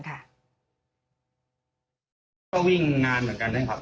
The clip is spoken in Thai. ก็วิ่งนานเหมือนกันนะครับ